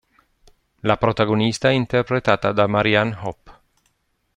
La protagonista è interpretata da Marianne Hoppe.